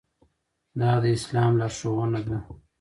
دا د اسلام لارښوونه ده.